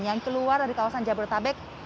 yang keluar dari kawasan jabodetabek